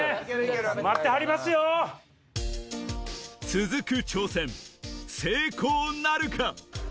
続く挑戦成功なるか？